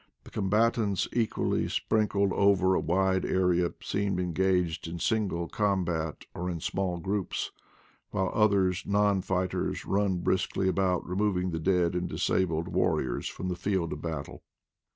The combatants, equally sprinkled over a wide area, are seen engaged in single combat or in small groups, while others, non fighters, run briskly about removing the dead and disabled warriors from the field of battle.